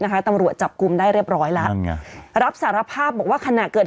ตำรวจจับกลุ่มได้เรียบร้อยแล้วนั่นไงรับสารภาพบอกว่าขณะเกิด